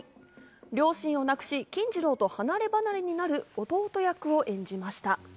両親を亡くし金次郎と離れ離れになる弟役を演じました。